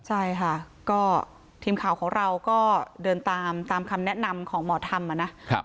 ใช่ค่ะก็ทีมข่าวของเราก็เดินตามตามคำแนะนำของหมอธรรมอ่ะนะ